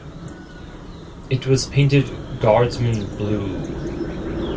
It was painted Guardsman Blue.